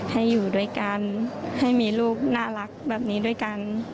ให้อยู่ด้วยกันให้มีลูกน่ารักแบบนี้ด้วยกัน